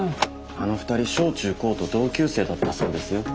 あの２人小中高と同級生だったそうですよ。